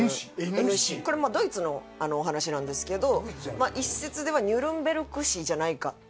これドイツのお話なんですけど一説ではニュルンベルク市じゃないかっていわれてる。